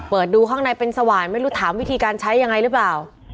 ดูข้างในเป็นสว่านไม่รู้ถามวิธีการใช้ยังไงหรือเปล่า